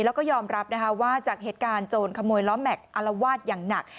แล้วก็ยอมรับนะคะว่าจากเหตุการณ์โจรขโมยล้อแม็กซอลวาดอย่างหนัก